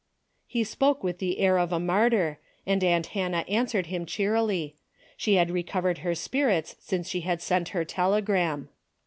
He spoke with the air of a martyr, and aunt Hannah answered him cheerily. She had recovered her spirits since she had sent her telegram.